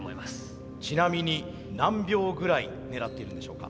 ちなみに何秒ぐらい狙っているんでしょうか？